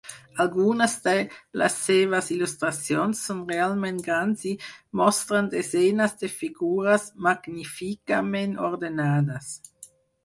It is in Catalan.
Algunes de les seves il·lustracions són realment grans i mostren desenes de figures magníficament ordenades.